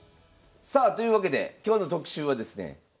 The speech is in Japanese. さあというわけで今日の特集はですね